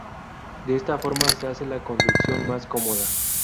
De esta forma se hace la conducción más cómoda.